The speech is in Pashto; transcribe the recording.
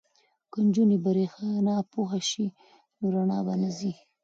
که نجونې بریښنا پوهې شي نو رڼا به نه ځي.